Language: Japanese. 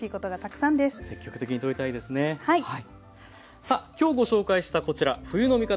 さあ今日ご紹介したこちら「冬の味方！